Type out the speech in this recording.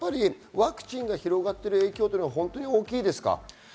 ワクチンが広がっている影響は大きいですか？